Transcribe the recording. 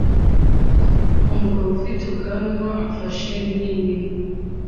Umugabo ufite ubwanwa afashe nini